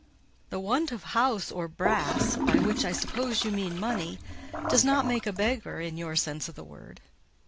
"The want of house or brass (by which I suppose you mean money) does not make a beggar in your sense of the word."